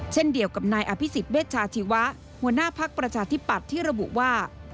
เช่นเดียวกับนายอภิษฎเวชาชีวะหัวหน้าภักดิ์ประชาธิปัตย์ที่ระบุว่า